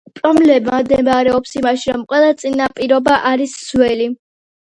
პრობლემა მდგომარეობს იმაში, რომ ყველა წინაპირობა არის „სველი“.